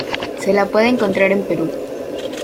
Se la puede encontrar en Perú.